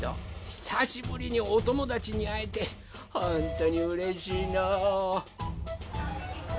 ひさしぶりにおともだちにあえてほんとにうれしいのう。